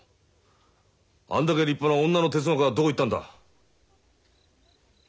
あんだけ立派な女の哲学はどこ行ったんだ。